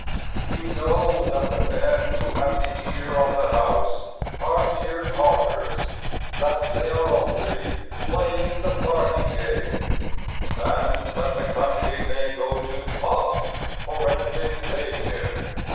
You know that the men who have the ear of the House Are mere talkers; That they are only "playing the party game," And that the country may go to pot for anything they care.